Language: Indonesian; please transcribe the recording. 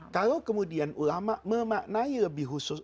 kalau kemudian ulama memaknai lebih khusus